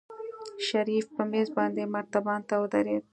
شريف په مېز باندې مرتبان ته ودرېد.